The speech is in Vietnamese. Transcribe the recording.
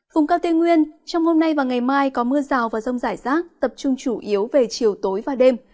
vùng cao tây nguyên trong hôm nay và ngày mai có mưa rào và rông rải rác tập trung chủ yếu về chiều tối và đêm